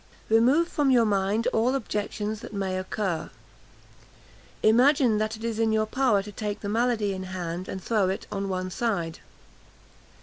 "Remove from your mind all objections that may occur. "Imagine that it is in your power to take the malady in hand, and throw it on one side.